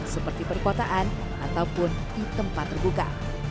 seperti perkotaan ataupun di tempat terbuka